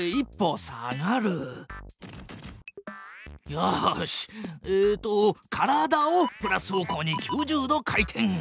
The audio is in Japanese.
よしえっと体をプラス方向に９０度回転！